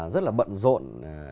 rất là bận rộn